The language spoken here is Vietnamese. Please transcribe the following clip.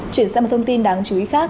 chuyển sang một thông tin đáng chú ý khác